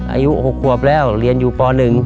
อายุ๖ขวบแล้วเรียนอยู่ป๑